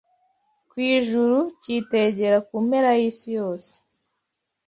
ku ijuru cyitegera ku mpera y’isi yose